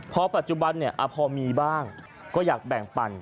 เพราะปัจจุบันเนี่ยพอมีบ้างก็อยากแบ่งปัน